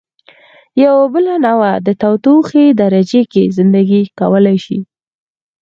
یوه بله نوعه د تودوخې درجې کې زنده ګي کولای شي.